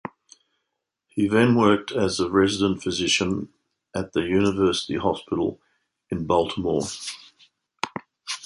He then worked as the resident physician at the University Hospital in Baltimore.